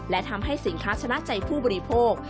และทำให้สินค้าชนะใจผู้บริโภค